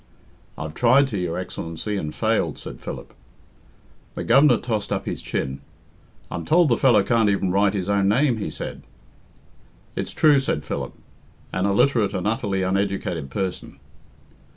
"I've tried to, your Excellency, and failed," said Philip. The Governor tossed up his chin. "I'm told the fellow can't even write his own name," he said. "It's true," said Philip. "An illiterate and utterly uneducated person."